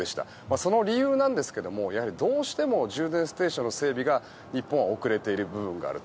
その理由ですがやはりどうしても充電ステーションの整備が日本は遅れている部分があると。